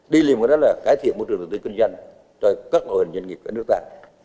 đi liền với đó là cải thiện môi trường vận tư kinh doanh cho các hội hình doanh nghiệp của nước ta